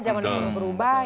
zaman ini berubah